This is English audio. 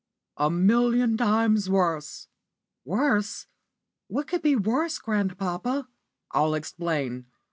"A million times worse!" "Worse! What could be worse, grandpapa?" "I'll explain.